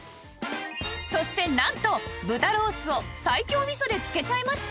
そしてなんと豚ロースを西京味噌で漬けちゃいました